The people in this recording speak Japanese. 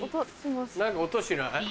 何か音しない？